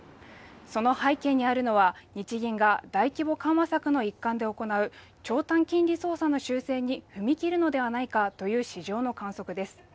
その背景にあるのは日銀が大規模緩和策の一環で行う長短金利操作の修正に踏み切るのではないかという市場の観測です